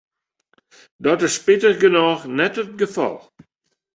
Dat is spitich genôch net it gefal.